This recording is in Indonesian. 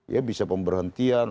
ya bisa pemberhentian